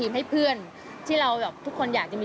ยอมเสียเงินทุกอย่างเอง